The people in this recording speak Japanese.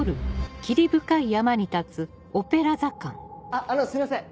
・あっあのすいません・